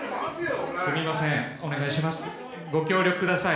ご協力ください。